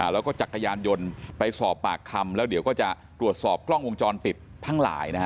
แล้วก็จักรยานยนต์ไปสอบปากคำแล้วเดี๋ยวก็จะตรวจสอบกล้องวงจรปิดทั้งหลาย